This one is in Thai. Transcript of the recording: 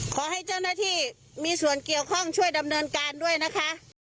ขอให้เจ้าหน้าที่มีส่วนเกี่ยวข้องช่วยดำเนินการด้วยนะคะ